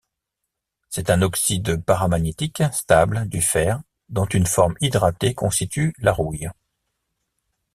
C'est un oxyde paramagnétique stable du fer, dont une forme hydratée constitue la rouille.